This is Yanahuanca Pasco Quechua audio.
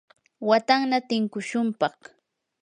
watanna tinkushunpaq.